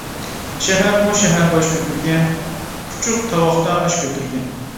شەھەرمۇ شەھەر باش كۆتۈرگەن، پۇچۇق تاۋاقتا ئاش كۆتۈرگەن.